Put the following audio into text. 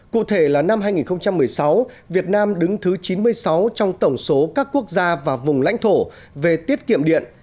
cụ thể là năm hai nghìn một mươi sáu việt nam đứng thứ chín mươi sáu trong tổng số các quốc gia và vùng lãnh thổ về tiết kiệm điện